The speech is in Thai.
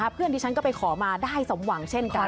เพื่อนที่ฉันก็ไปขอมาได้สมหวังเช่นกัน